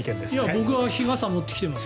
僕は日傘持ってきていますよ。